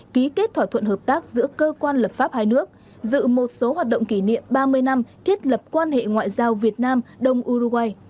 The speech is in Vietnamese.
ký kết thỏa thuận hợp tác giữa cơ quan lập pháp hai nước dự một số hoạt động kỷ niệm ba mươi năm thiết lập quan hệ ngoại giao việt nam đông uruguay